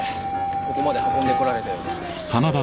ここまで運んでこられたようですね。